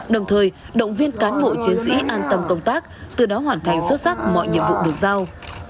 đồng thời động viên cán bộ chiến sĩ an tâm công tác từ đó hoàn thành xuất sắc mọi nhiệm vụ được giao